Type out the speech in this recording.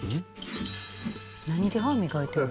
何で歯磨いてるの？